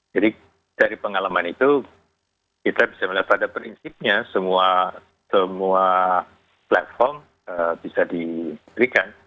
jadi dari pengalaman itu kita bisa melihat pada prinsipnya semua platform bisa diberikan